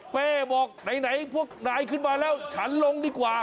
เป้บอกไหนพวกนายขึ้นมาแล้วฉันลงดีกว่า